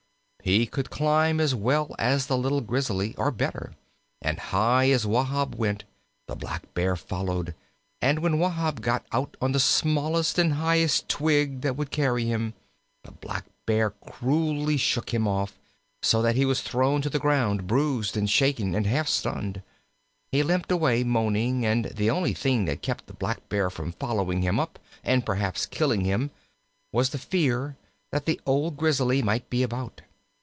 He could climb as well as the little Grizzly, or better, and high as Wahb went, the Blackbear followed, and when Wahb got out on the smallest and highest twig that would carry him, the Blackbear cruelly shook him off, so that he was thrown to the ground, bruised and shaken and half stunned. He limped away moaning, and the only thing that kept the Blackbear from following him up and perhaps killing him was the fear that the old Grizzly might be about.